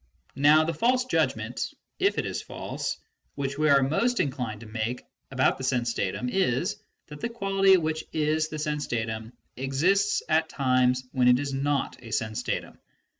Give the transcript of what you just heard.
Now the false judgment (if it is false) which we are most inclined to make about the sense datum is, that the quality which is the sense datum exists at times when it is not a sense datum.